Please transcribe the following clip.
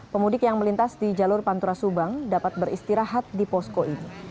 pemudik yang melintas di jalur pantura subang dapat beristirahat di posko ini